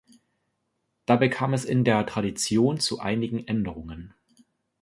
Dabei kam es in der Tradition zu einigen Änderungen.